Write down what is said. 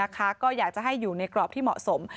ก็อยากจะให้อยู่ในกรอบที่เหมาะสม